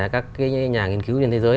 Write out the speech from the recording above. các nhà nghiên cứu trên thế giới